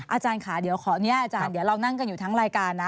อาจารย์ค่ะเดี๋ยวเรานั่งกันอยู่ทั้งรายการนะ